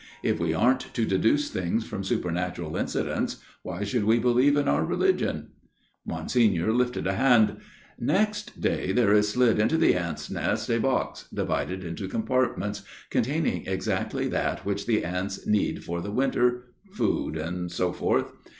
If we aren't to deduce things from supernatural incidents, why should we believe in our religion ?" Monsignor lifted a hand. " Next day there is slid into the ants' nest a box divided into compartments, containing exactly that which the ants need for the winter, food and so forth.